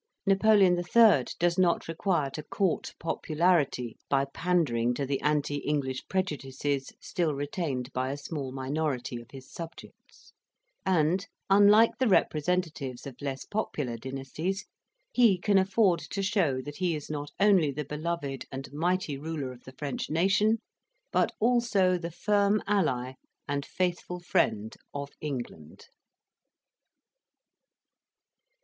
Napoleon III. does not require to court popularity by pandering to the anti English prejudices still retained by a small minority of his subjects; and, unlike the representatives of less popular dynasties, he can afford to show that he is not only the beloved and mighty ruler of the French nation, but also the firm ally and faithful friend of England.